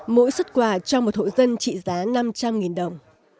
mỗi xuất quà cho một hộ dân trị giá năm trăm linh đồng